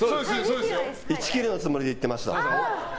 １ｋｇのつもりでいっていました。